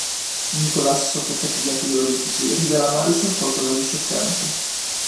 Nicholas, sotto effetto di antidolorifici, rivela a Marisol qualcosa di scioccante.